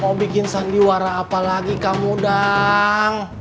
mau bikin sandiwara apa lagi kamu dang